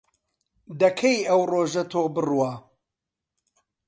دەکەی ئەو ڕۆژە تۆ بڕوا